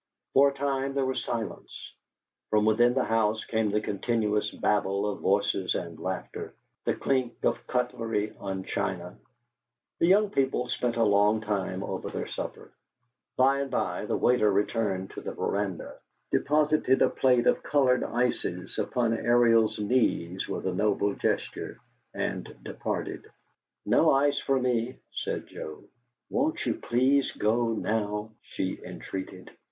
For a time there was silence. From within the house came the continuous babble of voices and laughter, the clink of cutlery on china. The young people spent a long time over their supper. By and by the waiter returned to the veranda, deposited a plate of colored ices upon Ariel's knees with a noble gesture, and departed. "No ice for me," said Joe. "Won't you please go now?" she entreated!